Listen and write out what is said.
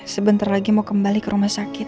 sebentar lagi mau kembali ke rumah sakit